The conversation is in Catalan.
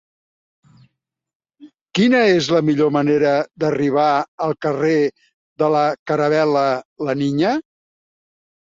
Quina és la millor manera d'arribar al carrer de la Caravel·la La Niña?